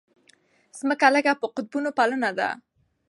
ځمکه لږه په قطبونو پلنه ده.